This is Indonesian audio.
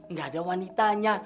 nggak ada wanitanya